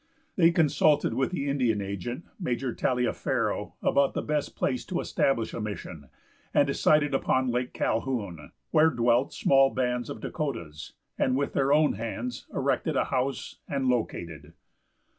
They consulted with the Indian agent, Major Taliaferro, about the best place to establish a mission, and decided upon Lake Calhoun, where dwelt small bands of Dakotas, and with their own hands erected a house and located.